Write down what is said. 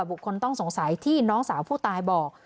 บุคคลต้องสงสัยที่น้องสาวผู้ตายบอก